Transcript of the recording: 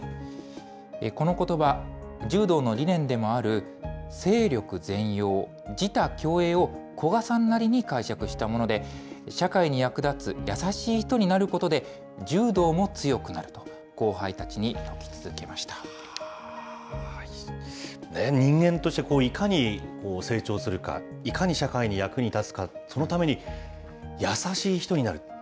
このことば、柔道の理念でもある精力善用、自他共栄を古賀さんなりに解釈したもので、社会に役立つ優しい人になることで、柔道も強くなると、人間として、いかに成長するか、いかに社会に役に立つか、そのために優しい人になる。